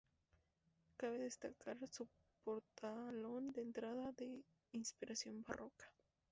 Cabe destacar su portalón de entrada, de inspiración barroca.